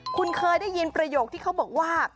คุณเคยได้ยินประโยคที่เขาบอกว่า